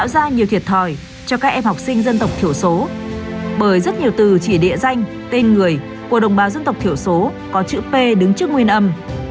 đem học sinh dân tộc thiểu số bởi rất nhiều từ chỉ địa danh tên người của đồng bào dân tộc thiểu số có chữ p đứng trước nguyên âm